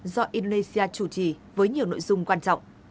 do indonesia chủ trì với nhiều nội dung quan trọng